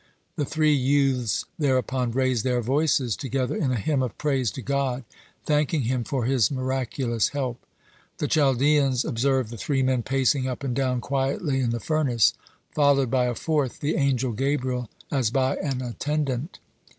(87) The three youths thereupon raised their voices together in a hymn of praise to God, thanking Him for His miraculous help. (88) The Chaldeans observed the three men pacing up and down quietly in the furnace, followed by a fourth the angel Gabriel as by an attendant.